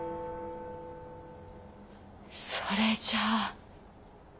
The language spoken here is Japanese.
それじゃ。